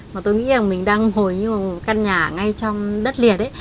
mà tôi nghĩ là mình đang ngồi như một căn nhà ngay trong đất liệt